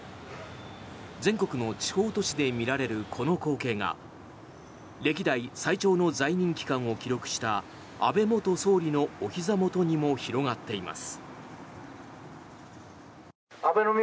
全国の地方都市で見られるこの光景が歴代最長の在任期間を記録した安倍元総理のおひざ元にも広がっています。